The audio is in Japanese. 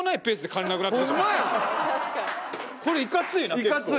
これいかついな結構。